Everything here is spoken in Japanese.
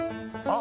あ！